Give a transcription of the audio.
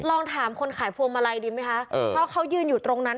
ลองถามคนขายพวงมาลัยดีไหมคะเพราะเขายืนอยู่ตรงนั้น